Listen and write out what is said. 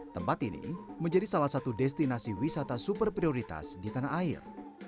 tempat ini menjadi salah satu destinasi wisata super prioritas di tanah air